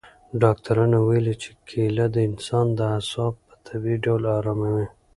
ډاکټرانو ویلي چې کیله د انسان اعصاب په طبیعي ډول اراموي.